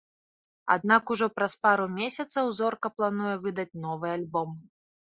Аднак ужо праз пару месяцаў зорка плануе выдаць новы альбом.